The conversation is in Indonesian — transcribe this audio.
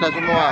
tidak ada semua